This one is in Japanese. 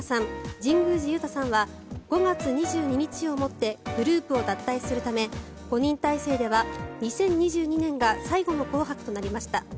神宮寺勇太さんは５月２２日をもってグループを脱退するため５人体制では２０２２年が最後の「紅白」となりました。